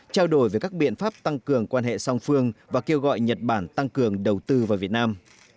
trao đổi về các biện pháp tăng cường quan hệ song phương và kêu gọi nhật bản tăng cường đầu tư vào việt nam